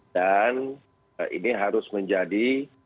dan ini harus menjadi